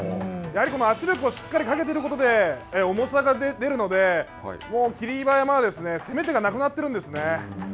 やはり圧力をしっかりかけていることで重さが出るので霧馬山は攻め手がなくなってるんですね。